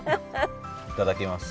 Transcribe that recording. いただきます。